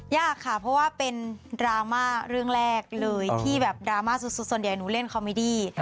ยากค่ะเพราะว่าเป็นดราม่าเรื่องแรกเลยที่แบบดราม่าสุดส่วนใหญ่หนูเล่นคอมมิดี้